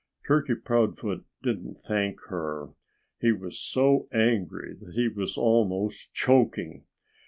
Turkey Proudfoot didn't thank her. He was so angry that he was almost choking.